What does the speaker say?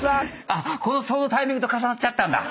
あっそのタイミングと重なったんだ！